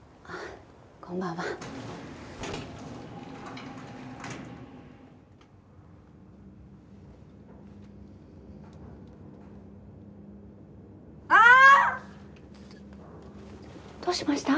ああ。